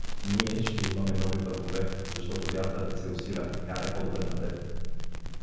— Ние ще имаме нови прахове, защото вятърът се усиля, карай по-добре напред.